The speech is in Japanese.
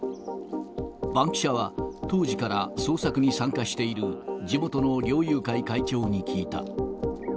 バンキシャは、当時から捜索に参加している地元の猟友会会長に聞いた。